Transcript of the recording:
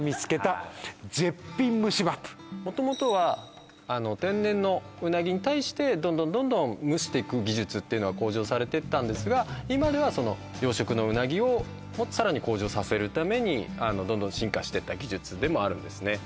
元々は天然のうなぎに対してどんどんどんどん蒸していく技術っていうのは向上されてったんですが今ではその養殖のうなぎをもっとさらに向上させるためにどんどんどんどん進化してった技術でもあるんですね